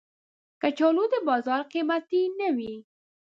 کچالو د بازار قېمتي نه وي